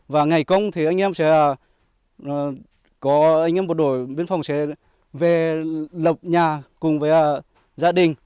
và ngày công thì anh em sẽ có anh em bộ đội biên phòng sẽ về lọc nhà cùng với gia đình